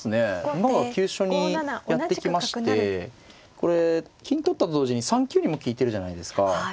馬が急所にやってきましてこれ金取ったと同時に３九にも利いてるじゃないですか。